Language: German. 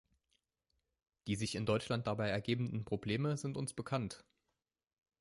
Die sich in Deutschland dabei ergebenden Probleme sind uns bekannt.